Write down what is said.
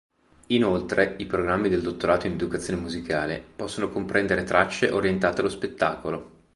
Inoltre i programmi del dottorato in educazione musicale possono comprendere tracce orientate allo spettacolo.